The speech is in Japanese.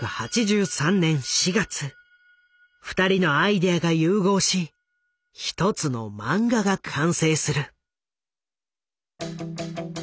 ２人のアイデアが融合し一つの漫画が完成する。